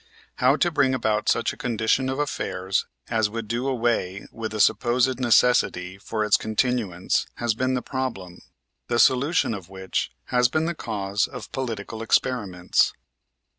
How to bring about such a condition of affairs as would do away with the supposed necessity for its continuance has been the problem, the solution of which has been the cause of political experiments.